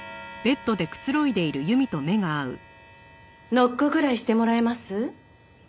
ノックぐらいしてもらえます？